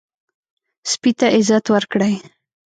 سپي ته عزت ورکړئ.